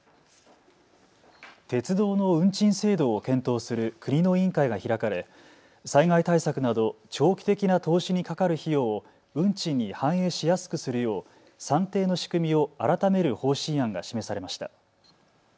鉄道の運賃制度を検討する国の委員会が開かれ災害対策など長期的な投資にかかる費用を運賃に反映しやすくするよう算定の仕組みを改める方針案が示されました。